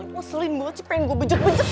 tentunya ngeselin banget sih pengen gue bejek bejek